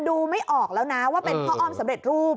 ดูไม่ออกแล้วนะว่าเป็นพ่ออ้อมสำเร็จรูป